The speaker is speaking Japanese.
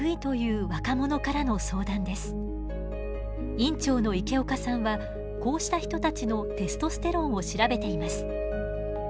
院長の池岡さんはこうした人たちのテストステロンを調べています。